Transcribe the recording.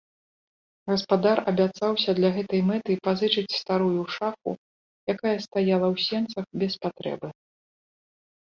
Гаспадар абяцаўся для гэтай мэты пазычыць старую шафу, якая стаяла ў сенцах без патрэбы.